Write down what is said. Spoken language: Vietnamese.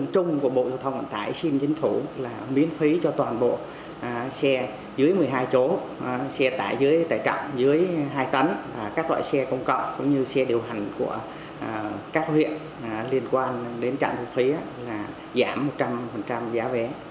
chính phủ miễn phí cho toàn bộ xe dưới một mươi hai chỗ xe tải dưới tải trọng dưới hai tấn các loại xe công cộng cũng như xe điều hành của các huyện liên quan đến trạm thu phí là giảm một trăm linh giá vé